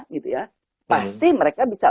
gitu ya pasti mereka bisa